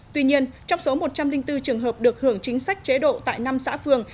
tuy nhiên trong số một trăm linh bốn trường hợp được hưởng chính sách chế độ tại năm xã phường